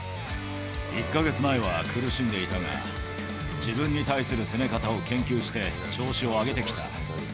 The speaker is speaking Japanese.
１か月前は苦しんでいたが、自分に対する攻め方を研究して、調子を上げてきた。